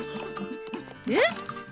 えっ？